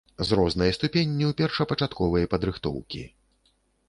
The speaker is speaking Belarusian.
З рознай ступенню першапачатковай падрыхтоўкі.